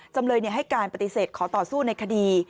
จำเลยให้การปฏิเสธขอต่อสู้ในคดี